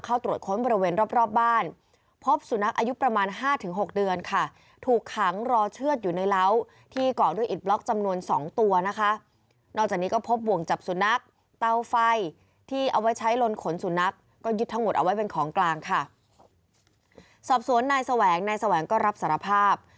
ฝนสุนทราบก็ยึดทั้งหมดเอาไว้เป็นของกลางค่ะสอบโสนในแสวงนายแสวงก็รับสารภาพ